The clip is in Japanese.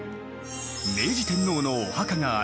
明治天皇のお墓がある